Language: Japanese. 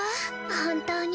本当に。